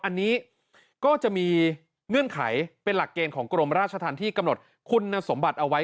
อันนี้ก็จะมีเงื่อนไขเป็นหลักเกณฑ์ของกรมราชธรรมที่กำหนดคุณสมบัติเอาไว้